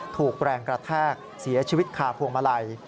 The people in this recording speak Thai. ถูกแรงกระแทกเสียชีวิตคาพวงมาลัย